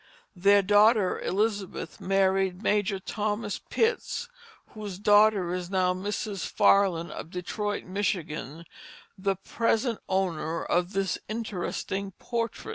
Their daughter Elizabeth married Major Thomas Pitts, whose daughter is now Mrs. Farlin of Detroit, Michigan, the present owner of this interesting portrait.